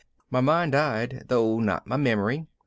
My mind died, though not my memory.